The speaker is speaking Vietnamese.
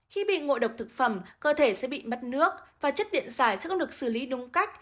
khi bị ngộ độc thực phẩm cơ thể sẽ bị mất nước và chất điện giải sẽ không được xử lý đúng cách